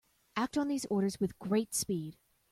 Act on these orders with great speed.